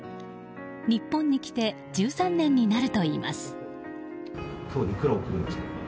日本に来て１３年になるといいます。